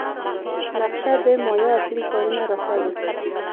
نقشه د مایا اصلي ښارونه راښيي.